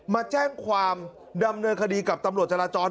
มาแจ้งความดำเนินคดีกับตำรวจจราจร